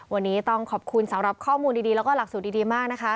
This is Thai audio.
วันนี้ต้องขอบคุณสำหรับข้อมูลดีแล้วก็หลักสูตรดีมากนะคะ